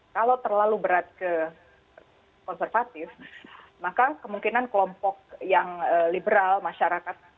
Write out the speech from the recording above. kalau terlalu berat ke konservatif maka kemungkinan kelompok yang liberal masyarakat